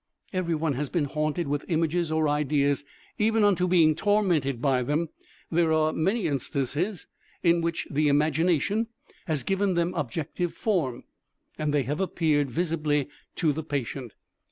Everyone has been haunted with images or ideas even unto being tormented by them; there are many instances in which the Imagination has given them objective form, and they have appeared visibly to the patient.